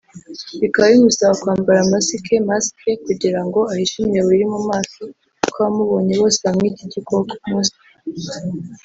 Bikaba bimusaba kwambara masike(masque)kugira ngo ahishe imyobo iri mu maso kuko abamubonye bose bamwita igikoko(monstre)